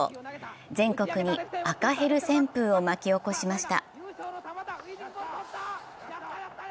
全国に赤ヘル旋風を巻き起こしました。